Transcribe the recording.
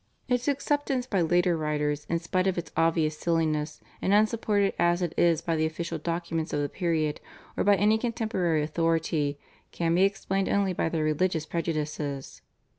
Its acceptance by later writers, in spite of its obvious silliness, and unsupported as it is by the official documents of the period, or by any contemporary authority, can be explained only by their religious prejudices.